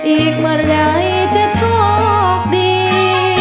อีกเมื่อไหร่จะโชคดี